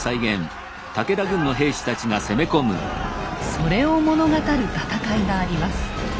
それを物語る戦いがあります。